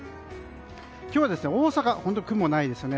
今日は大阪、雲がないですね。